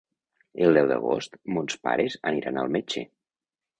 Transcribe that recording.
El deu d'agost mons pares aniran al metge.